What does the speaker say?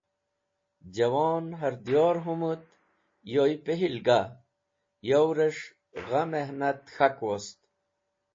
Jẽwon hẽr diyor hũmet yoy pẽ helga, yorẽs̃h ghã mehnat k̃hak wost